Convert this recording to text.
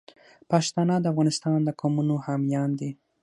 پښتانه د افغانستان د قومونو حامیان دي.